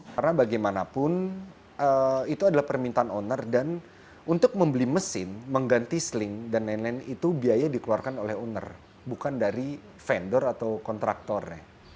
karena bagaimanapun itu adalah permintaan owner dan untuk membeli mesin mengganti seling dan lain lain itu biaya dikeluarkan oleh owner bukan dari vendor atau kontraktor